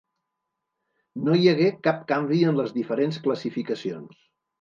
No hi hagué cap canvi en les diferents classificacions.